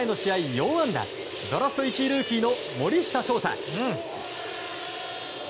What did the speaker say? ４安打ドラフト１位ルーキーの森下翔太。